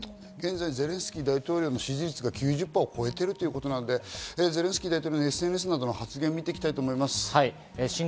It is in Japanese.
現在ゼレンスキー大統領の支持率が９０％を超えているということなので、ゼレンスキー大統領のＳＮＳの発言などを見ていきます。